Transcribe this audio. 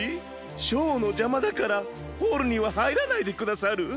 ショーのじゃまだからホールにははいらないでくださる？